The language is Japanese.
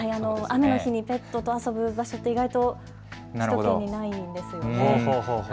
雨の日にペットと遊ぶ場所って、意外と首都圏にないんですよね。